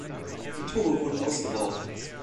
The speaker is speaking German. Die Tore wurden ausgebaut.